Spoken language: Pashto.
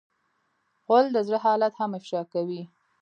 غول د زړه حالت هم افشا کوي.